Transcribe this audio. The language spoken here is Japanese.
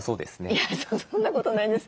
いやそんなことないんです。